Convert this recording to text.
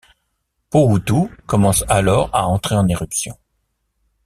Pohutu commence alors à entrer en éruption.